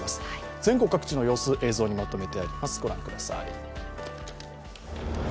全国各地の様子、映像にまとめてあります。